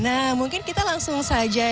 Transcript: nah mungkin kita langsung saja